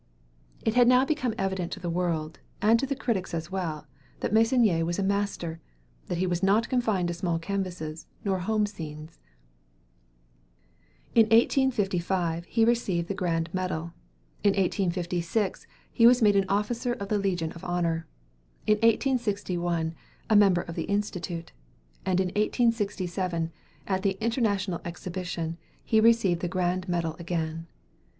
It had now become evident to the world, and to the critics as well, that Meissonier was a master; that he was not confined to small canvases nor home scenes. In 1855 he received the grand medal; in 1856 he was made an officer of the Legion of Honor; in 1861, a member of the Institute; and in 1867, at the International Exhibition, he received the grand medal again.